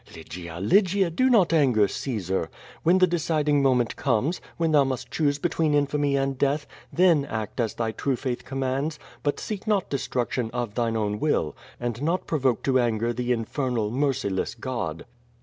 Lygia! Lygia! do not anger Caesar. When the de ciding moment comes, when thou must choose between in famy and death, then act as thy true faith commands, but seek not destruction of thine own will, and not provoke to anger the infernal, merciless god."